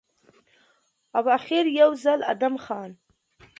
او اخر يو ځل ادم خان